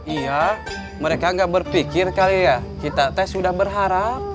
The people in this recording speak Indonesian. iya mereka nggak berpikir kali ya kita tes sudah berharap